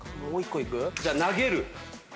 じゃあ投げる。